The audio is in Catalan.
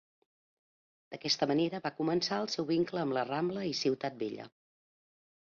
D'aquesta manera va començar el seu vincle amb la Rambla i Ciutat Vella.